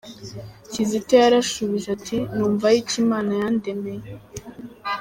Kizito yarashubije ati “Numva aricyo Imana yandemeye.”